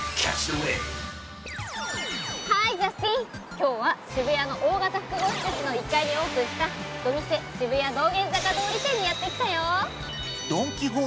今日は渋谷の大型複合施設の１階にオープンしたドミセ渋谷道玄坂通店にやって来たよ！